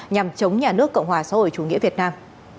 nhằm chống nhà nước cộng hòa xã hội chủ nghĩa việt nam